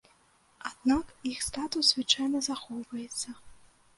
Аднак іх статус звычайна захоўваецца.